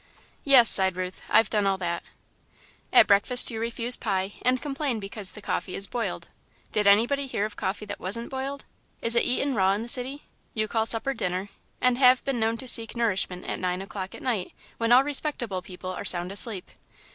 "Yes," sighed Ruth, "I've done all that." "At breakfast you refuse pie, and complain because the coffee is boiled. Did anybody ever hear of coffee that wasn't boiled? Is it eaten raw in the city? You call supper 'dinner,' and have been known to seek nourishment at nine o'clock at night, when all respectable people are sound asleep.